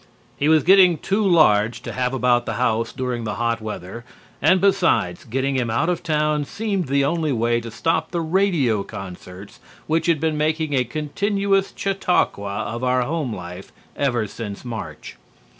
He was getting too large to have about the house during the hot weather, and besides, getting him out of town seemed the only way to stop the radio concerts which had been making a continuous Chautauqua of our home life ever since March.